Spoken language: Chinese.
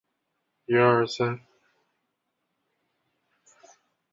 这些规则卫星都以泰坦巨人族或其他与农神萨图尔努斯相关的神只之名来命名。